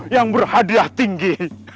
yang berhadiah tinggi